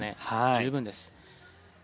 十分です。